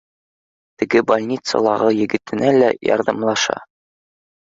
Теге больницалағы егетенә лә ярҙамлаша